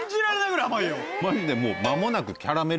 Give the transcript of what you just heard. マジでもう。